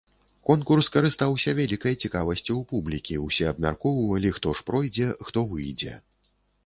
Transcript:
Конкурс карыстаўся вялікай цікавасцю ў публікі, усе абмяркоўвалі, хто ж пройдзе, хто выйдзе.